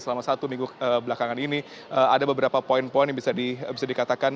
selama satu minggu belakangan ini ada beberapa poin poin yang bisa dikatakan